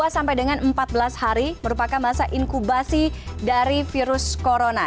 dua sampai dengan empat belas hari merupakan masa inkubasi dari virus corona